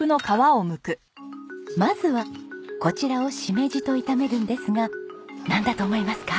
まずはこちらをシメジと炒めるんですがなんだと思いますか？